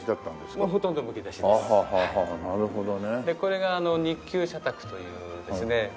でこれが日給社宅というですね